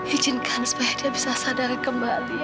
izinkan supaya dia bisa sadar kembali